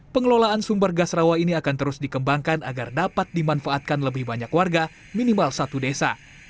pengelolaan sumber gas rawa ini akan terus dikembangkan agar dapat dimanfaatkan lebih banyak warga minimal satu desa